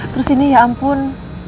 terus ini ya ampun